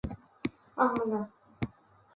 埃贝尔斯特是德国图林根州的一个市镇。